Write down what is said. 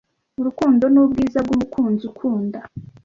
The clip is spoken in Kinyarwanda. urukundo n'ubwiza bw'umukunzi ukunda